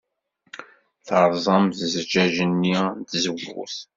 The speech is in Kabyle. Terẓamt zzjaj-nni n tzewwut.